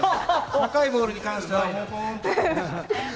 高いボールに関しては、ポン。